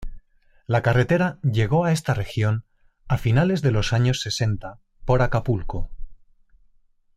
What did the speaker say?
La carretera llegó a esta región a finales de los años sesenta por Acapulco.